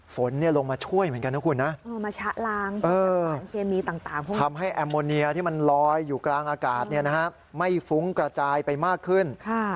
ฝนลงมาช่วยเหมือนกันนะคุณ